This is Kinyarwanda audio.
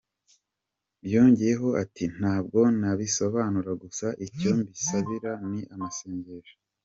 Yongeyeho ati "Ntabwo nabisobanura gusa icyo mbisabira ni amasengesho.